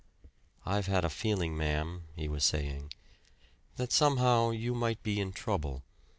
"I've had a feeling, ma'am," he was saying, "that somehow you might be in trouble.